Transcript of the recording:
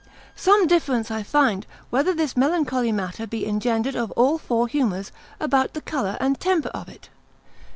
Some difference I find, whether this melancholy matter may be engendered of all four humours, about the colour and temper of it.